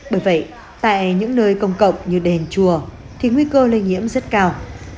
bởi vậy tại những nơi công cộng như đền chùa thì nguy cơ lây nhiễm rất cao